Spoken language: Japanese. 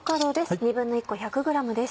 １／２個１００ｇです。